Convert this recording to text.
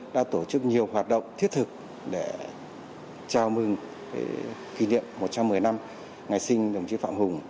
đã tổ chức nhiều hoạt động thiết thực để chào mừng kỷ niệm một trăm một mươi năm ngày sinh đồng chí phạm hùng